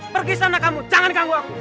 pergi sana kamu jangan ganggu aku